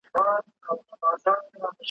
دا د نغدو پیسو زور دی چي ژړیږي ,